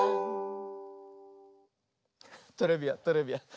トレビアントレビアン。